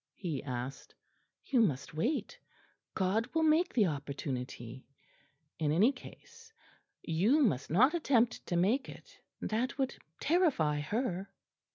he asked. "You must wait; God will make the opportunity in any case. You must not attempt to make it. That would terrify her."